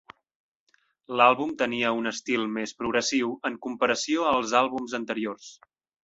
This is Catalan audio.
L'àlbum tenia un estil més progressiu en comparació als àlbums anteriors.